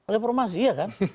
reformasi ya kan